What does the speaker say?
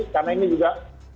karena ini juga